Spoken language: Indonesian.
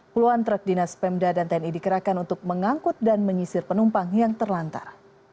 puluhan truk dinas pemda dan tni dikerahkan untuk mengangkut dan menyisir penumpang yang terlantar